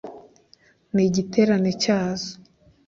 N’igiterane cyazo,